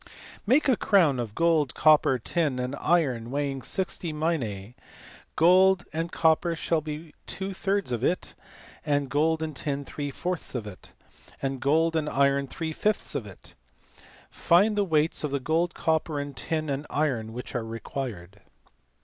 " Make a crown of gold, copper, tin, and iron weighing 60 minae : gold and copper shall be two thirds of it ; gold and tin three fourths of it ; and gold and iron three fifths of it : find the weights of the gold, copper, tin, and iron which are required."